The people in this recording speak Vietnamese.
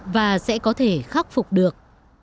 và sẽ có thể khắc phục được